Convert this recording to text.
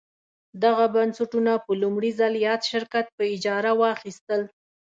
دغه بنسټونه په لومړي ځل یاد شرکت په اجاره واخیستل.